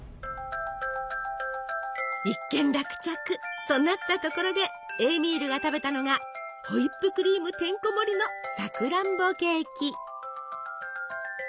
一件落着となったところでエーミールが食べたのがホイップクリームてんこもりのさくらんぼケーキ！